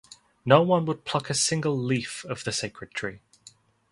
No one would pluck a single leaf of the sacred tree.